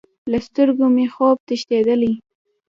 له سترګو مې خوب تښتیدلی